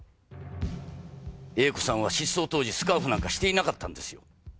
Ａ子さんは失踪当時スカーフなんかしていなかったんですよ。